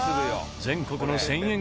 全国の１０００円